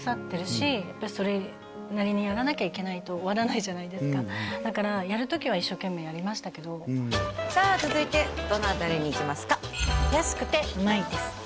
それなりにやらなきゃいけないと終わらないじゃないですかだからやる時は一生懸命やりましたけどさあ続いてどの辺りにいきますか安くて旨いです